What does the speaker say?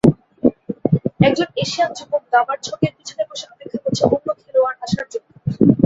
একজন এশিয়ান যুবক দাবার ছকের পিছনে বসে অপেক্ষা করছে অন্য খেলোয়াড় আসার জন্য।